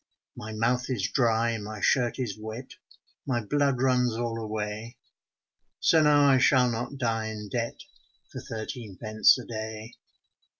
My mouth is dry, my shirt is wet, My blood runs all away, So now I shall not die in debt For thirteen pence a day.